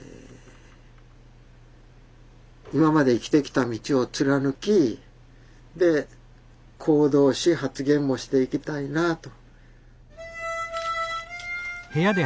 今まで生きてきた道を貫きで行動し発言もしていきたいなと。